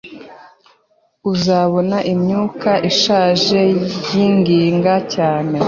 Uzabona imyuka ishaje yinginga cyane